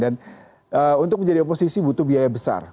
dan untuk menjadi oposisi butuh biaya besar